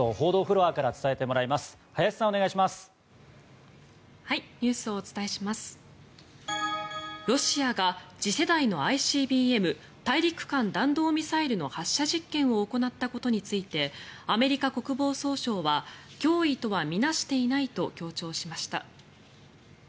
ロシアが次世代のＩＣＢＭ・大陸間弾道ミサイルの発射実験を行ったことについてアメリカ国防総省は脅威とは見なしていないと強調しました。